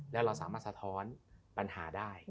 แล้วเราสามารถสะท้อนปัญหาได้